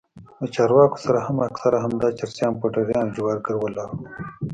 له چارواکو سره هم اکثره همدا چرسيان پوډريان او جوارگر ولاړ وو.